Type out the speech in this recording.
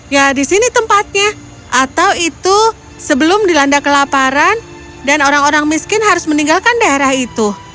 ya di sini tempatnya atau itu sebelum dilanda kelaparan dan orang orang miskin harus meninggalkan daerah itu